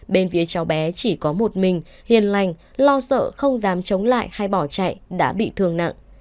bên phía cháu bé chỉ có một mình hiền lành lo sợ không dám chống lại hay bỏ chạy đã bị thương nặng